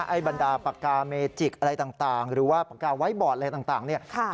บรรดาปากกาเมจิกอะไรต่างหรือว่าปากกาไว้บอร์ดอะไรต่างเนี่ย